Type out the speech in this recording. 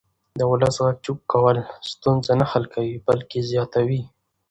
د ولس غږ چوپ کول ستونزې نه حل کوي بلکې زیاتوي